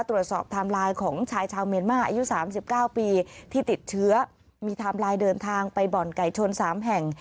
ตรวจสอบทามไลน์ของชายชาวเมียนมาอายุสามสิบเก้าปีที่ติดเชื้อมีทามไลน์เดินทางไปบ่อนไก่ชนสามแห่ง